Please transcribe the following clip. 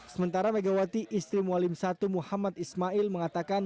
sementara megawati istri mualim satu muhammad ismail mengatakan